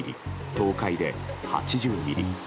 東海で８０ミリ。